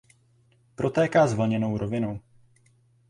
Protéká zvlněnou rovinou.